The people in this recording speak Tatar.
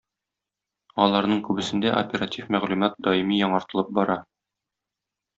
Аларның күбесендә оператив мәгълүмат даими яңартылып бара.